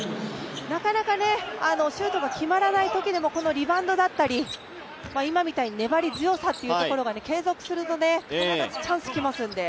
なかなかシュートが決まらないときでもこのリバウンドだったり今みたいに粘り強さが継続すると必ずチャンス来ますんで。